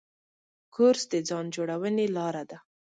کورس د ځان جوړونې لاره ده.